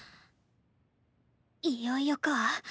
いよいよか。